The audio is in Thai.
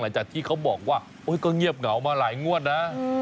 หลังจากที่เขาบอกว่าก็เงียบเหงามาหลายงวดนะ